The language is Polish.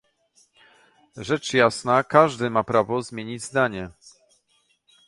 Rzecz jasna każdy ma prawo zmienić zdanie